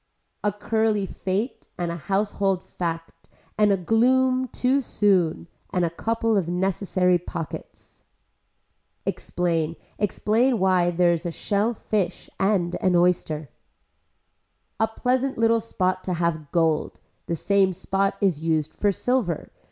A curly fate and a household fact and a gloom too soon, and a couple of necessary pockets. Explain, explain why there is a shell fish and an oyster. A pleasant little spot to have gold. The same spot is used for silver.